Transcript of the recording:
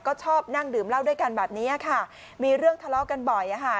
ก็ชอบนั่งดื่มเหล้าด้วยกันแบบนี้ค่ะมีเรื่องทะเลาะกันบ่อยอะค่ะ